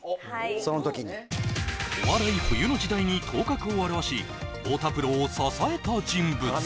そのときにお笑い冬の時代に頭角を現し太田プロを支えた人物